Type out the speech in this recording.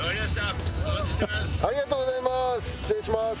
ありがとうございます。